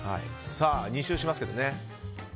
２周しますけどね。